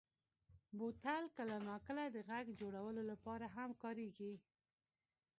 بوتل کله ناکله د غږ جوړولو لپاره هم کارېږي.